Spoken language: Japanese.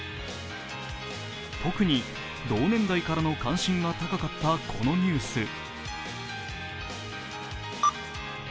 特に同年代からの関心が高かったこのニュース。